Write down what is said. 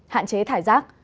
hạn chế thải rác